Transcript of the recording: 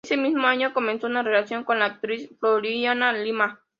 Ese mismo año comenzó una relación con la actriz Floriana Lima.